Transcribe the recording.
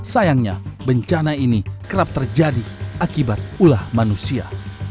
sayangnya bencana ini kerap terjadi akibat ulah manusia